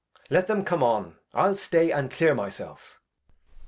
Edg. Let 'em come on, I'll stay and clear myself.